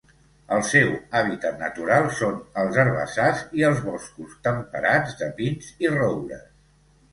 El seu hàbitat natural són els herbassars i els boscos temperats de pins i roures.